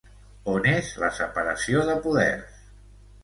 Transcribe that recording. On és la separació de poders?